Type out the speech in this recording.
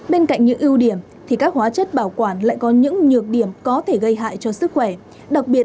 bên cạnh những ưu điểm thì các hóa chất bảo quản lại có những nhược điểm có thể gây hại cho sức khỏe đặc biệt